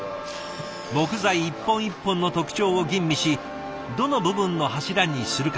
木材一本一本の特徴を吟味しどの部分の柱にするか。